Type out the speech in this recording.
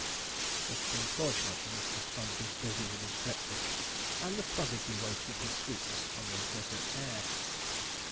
But unfortunately, Mr. Sponge was busy with his breakfast, and the prodigy wasted his sweetness on the desert air.